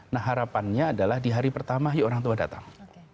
nah harapannya adalah di hari pertama orang tua datang